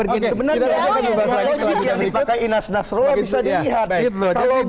kepala logik yang dipakai inas nasroa bisa dilihat